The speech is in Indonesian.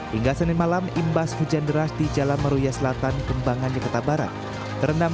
hingga senin malam imbas hujan deras di jalan meruya selatan kembangan jakarta barat terendam